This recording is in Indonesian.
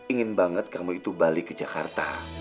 ingin banget kamu itu balik ke jakarta